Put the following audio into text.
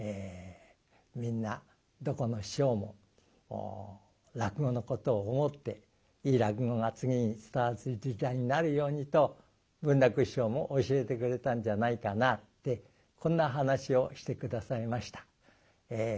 みんなどこの師匠も落語のことを思っていい落語が次に伝わる時代になるようにと文楽師匠も教えてくれたんじゃないかなってこんな話をして下さいました。